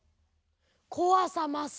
こわさますね。